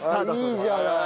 いいじゃない。